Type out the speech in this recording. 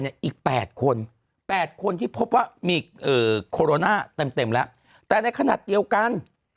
อีก๘คน๘คนที่พบว่ามีโคโรนาเต็มแล้วแต่ในขณะเดียวกัน